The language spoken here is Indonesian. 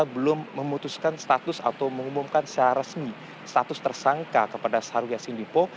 belum memutuskan status atau mengumumkan secara resmi status tersangka kepada syahrul yassin limpo